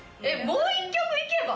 もう１曲。